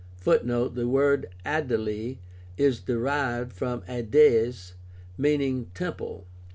(Footnote: The word "Aedile" is derived from Aedes, meaning temple.)